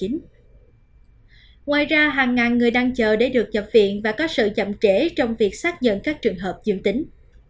ngoài ra hàng ngàn người đang chờ để được nhập viện và có sự chậm trễ trong việc xác nhận các trường hợp dương tính